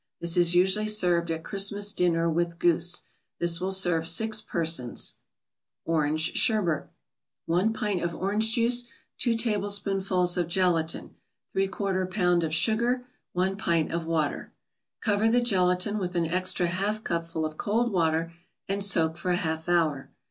This is usually served at Christmas dinner with goose. This will serve six persons. ORANGE SHERBET 1 pint of orange juice 2 tablespoonfuls of gelatin 3/4 pound of sugar 1 pint of water Cover the gelatin with an extra half cupful of cold water and soak for a half hour.